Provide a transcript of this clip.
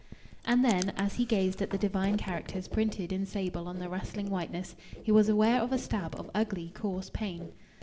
And then, as he gazed at the divine characters printed in sable on the rustling whiteness, he was aware of a stab of ugly, coarse pain.